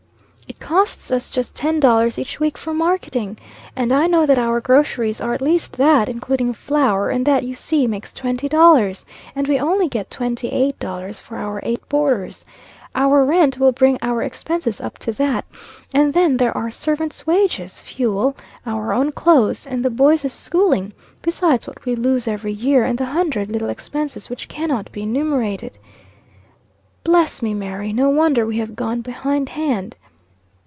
"It costs us just ten dollars each week for marketing and I know that our groceries are at least that, including flour; that you see makes twenty dollars, and we only get twenty eight dollars for our eight boarders. Our rent will bring our expenses up to that. And then there are servants' wages, fuel, our own clothes, and the boys' schooling, besides what we lose every year, and the hundred little expenses which cannot be enumerated." "Bless me, Mary! No wonder we have gone behindhand."